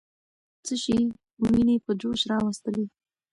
څه شی ويني په جوش راوستلې؟